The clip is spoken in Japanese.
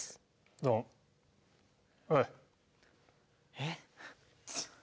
えっ。